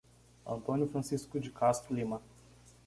Antônio Francisco de Castro Lima